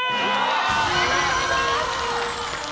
ありがとうございます。